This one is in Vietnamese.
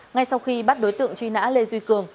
ngay sau khi bắt đối tượng truy nã lê duy cường